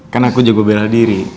kan aku jago beradiri